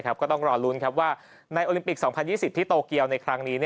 ก็ต้องรอลุ้นว่าในโอลิมปิก๒๐๒๐ที่โตเกียวในครั้งนี้